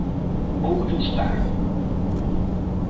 Voullos dar.